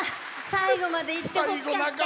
最後までいってほしかった。